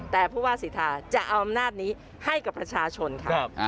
แต่ผู้ว่าสิทธาจะเอาอำนาจนี้ให้กับประชาชนค่ะ